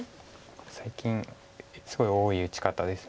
これ最近すごい多い打ち方です。